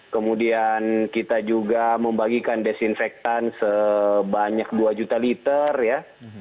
kemudian kita juga membagikan desinfektan sebanyak dua juta liter ya